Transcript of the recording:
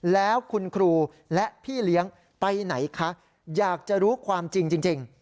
แล้วคุณครูและพี่เลี้ยงไปไหนคะอยากจะรู้ความจริง